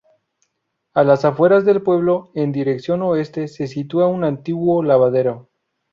A las afueras del pueblo, en dirección Oeste, se sitúa un antiguo lavadero.